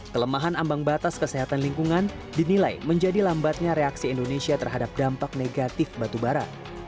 kelemahan ambang batas kesehatan lingkungan dinilai menjadi lambatnya reaksi indonesia terhadap dampak negatif batubara